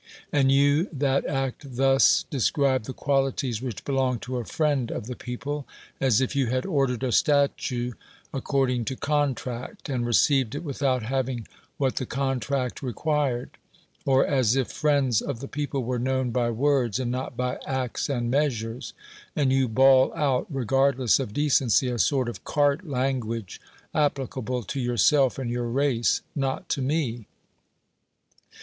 And you that act thus describe the qualities which belong to a friend of the peo ple, as if you had ordered a statue according to contract, and received it without having what the contract required; or as if friends of the people were known by words, and not by acts and measures ! And you bawl out, regardless of decency, a sort of cart language, applicable to yourself and your race, not to me.